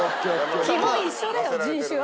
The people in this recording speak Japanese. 基本一緒だよ人種は。